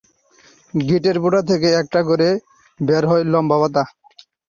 গিঁটের গোড়া থেকে একটা করে বের হয় লম্বা পাতা।